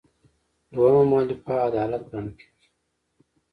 دویمه مولفه عدالت ګڼل کیږي.